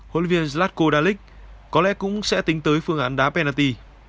holivier zlatko dalic có lẽ cũng sẽ tính tới phương án đá penalty